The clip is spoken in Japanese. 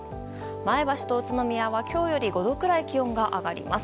前橋と宇都宮は、今日より５度くらい気温が上がります。